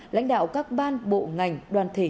lãnh đạo các ban bộ ngành đoàn thể